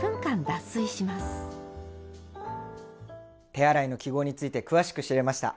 手洗いの記号について詳しく知れました。